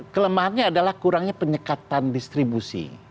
kelemahannya adalah kurangnya penyekatan distribusi